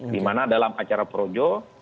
dimana dalam acara projo